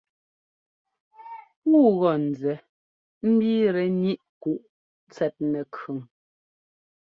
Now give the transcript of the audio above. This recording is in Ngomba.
Puu gɔ́ nzɛ mbiitɛ ŋíʼ kǔ tsɛt nɛkʉn.